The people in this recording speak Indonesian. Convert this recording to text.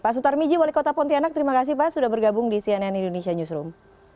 pak sutar miji wali kota pontianak terima kasih pak sudah bergabung di cnn indonesia newsroom